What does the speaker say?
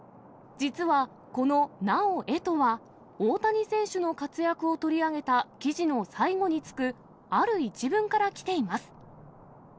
実は、このなおエとは、大谷選手の活躍を取り上げた記事の最後につくある一文からきています。